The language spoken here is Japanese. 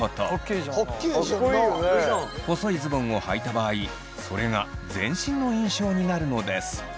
細いズボンをはいた場合それが全身の印象になるのです。